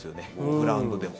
グラウンドでも。